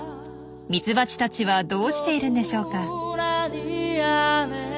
ミツバチたちはどうしているんでしょうか？